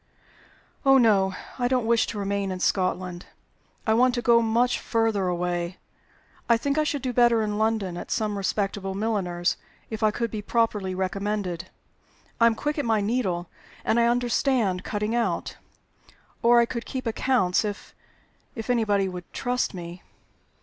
"Oh no! I don't wish to remain in Scotland. I want to go much further away. I think I should do better in London; at some respectable milliner's, if I could be properly recommended. I am quick at my needle, and I understand cutting out. Or I could keep accounts, if if anybody would trust me."